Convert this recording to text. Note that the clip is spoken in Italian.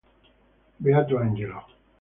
Beato Angelo